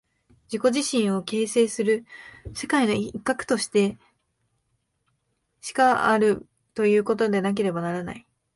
自己自身を形成する世界の一角としてしかあるということでなければならない。